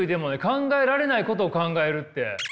「考えられないことを考える」って。